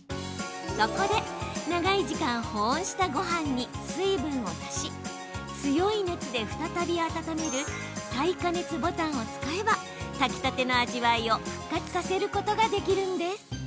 そこで長い時間保温したごはんに水分を足し強い熱で再び温める再加熱ボタンを使えば炊きたての味わいを復活させることができるんです。